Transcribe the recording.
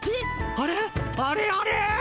あれあれ？